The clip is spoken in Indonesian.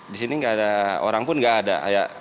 disini gak ada orang pun gak ada